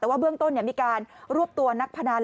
แต่ว่าเบื้องต้นมีการรวบตัวนักพนัน